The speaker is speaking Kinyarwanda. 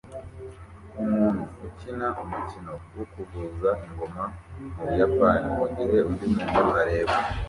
Umuntu ukina umukino wo kuvuza ingoma mu Buyapani mugihe undi muntu areba